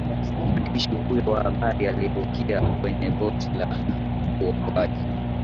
mwandishi huyo wa habari alirukia kwenye boti ya uokoaji